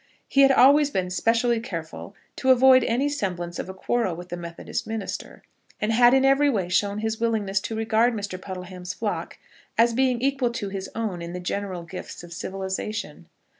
He had always been specially careful to avoid any semblance of a quarrel with the Methodist minister, and had in every way shown his willingness to regard Mr. Puddleham's flock as being equal to his own in the general gifts of civilisation.